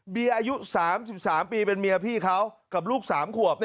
อายุ๓๓ปีเป็นเมียพี่เขากับลูก๓ขวบ